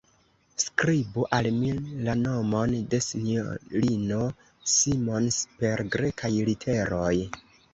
Skribu al mi la nomon de S-ino Simons per Grekaj literoj!